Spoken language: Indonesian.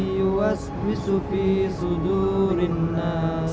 nanti kita bicara ya